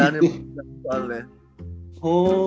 dia ada ahli boot review juga